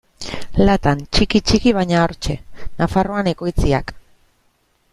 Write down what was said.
Latan, txiki-txiki, baina hortxe: Nafarroan ekoitziak.